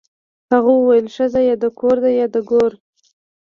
هغه ویل ښځه یا د کور ده یا د ګور